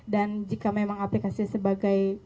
dan jika memang aplikasi sebagai